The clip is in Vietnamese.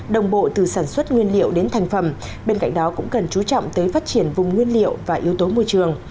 đồng bộ từ sản xuất nguyên liệu đến thành phẩm bên cạnh đó cũng cần chú trọng tới phát triển vùng nguyên liệu và yếu tố môi trường